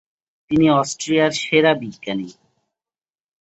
তিনি অস্ট্রিয়ার সেরা বিজ্ঞানী।